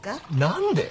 「何で？」